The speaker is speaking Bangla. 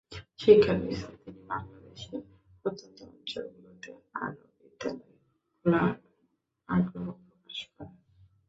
শিক্ষার বিস্তারে তিনি বাংলাদেশের প্রত্যন্ত অঞ্চলগুলোতে আরও বিদ্যালয় খোলার আগ্রহ প্রকাশ করেন।